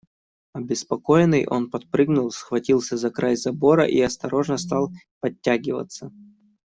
Обеспокоенный, он подпрыгнул, схватился за край забора и осторожно стал подтягиваться.